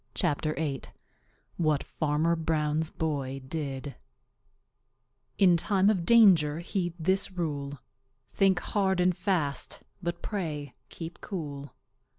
CHAPTER VIII What Farmer Brown's Boy Did In time of danger heed this rule: Think hard and fast, but pray keep cool.